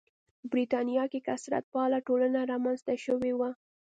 په برېټانیا کې کثرت پاله ټولنه رامنځته شوې وه.